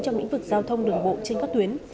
trong lĩnh vực giao thông đường bộ trên các tuyến